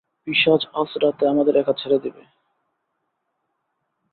পিশাচ আজ রাতে আমাদের একা ছেড়ে দেবে!